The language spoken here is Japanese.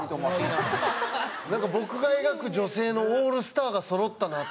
なんか僕が描く女性のオールスターがそろったな。